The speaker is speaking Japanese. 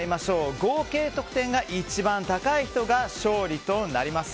合計得点が一番高い人が勝利となります。